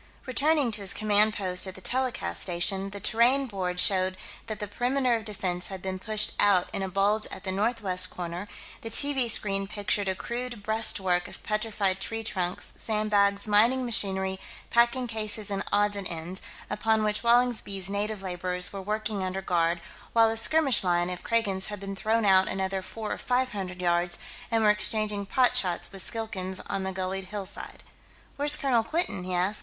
Returning to his command post at the telecast station, the terrain board showed that the perimeter of defense had been pushed out in a bulge at the northwest corner; the TV screen pictured a crude breast work of petrified tree trunks, sandbags, mining machinery, packing cases and odds and ends, upon which Wallingsby's native laborers were working under guard while a skirmish line of Kragans had been thrown out another four or five hundred yards and were exchanging pot shots with Skilkans on the gullied hillside. "Where's Colonel Quinton?" he asked.